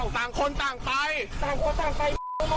ต่างคนต่างไป